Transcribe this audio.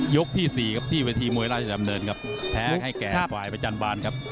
ยกที่๔ครับที่วิธีมวยราชดำเนินครับแพ้ให้แก่ฝ่ายไปจันทร์บานครับ